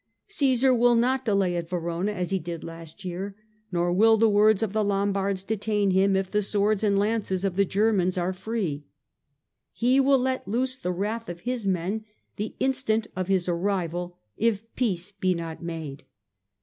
Caesar will not delay at Verona as he did last year, nor will the words of the Lombards detain him if the swords and lances of the Germans are free. He will let loose the wrath of his men the instant of his arrival if peace be not made.